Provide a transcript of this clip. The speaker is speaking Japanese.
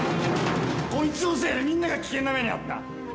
⁉こいつのせいでみんなが危険な目に遭った。